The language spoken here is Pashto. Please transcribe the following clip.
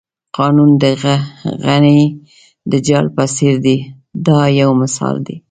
قانون د غڼې د جال په څېر دی دا یو مثال دی.